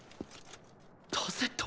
タセット？